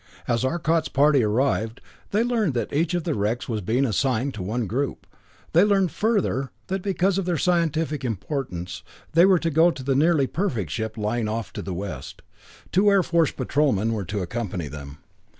As Arcot's party arrived, they learned that each of the wrecks was being assigned to one group. They further learned that because of their scientific importance, they were to go to the nearly perfect ship lying off to the west. Two Air Patrolmen were to accompany them.